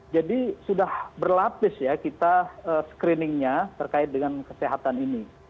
jadi sudah berlapis ya kita screeningnya terkait dengan kesehatan ini